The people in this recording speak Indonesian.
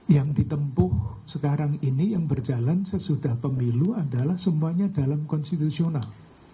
yang ditempuh sekarang ini yang berjalan sesudah pemilu adalah semuanya dalam konstitusional